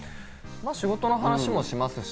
仕事の話もしますし。